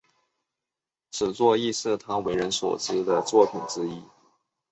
此作亦是他为人所知的作品之一。